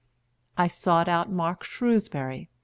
I sought out Mark Shrewsbury.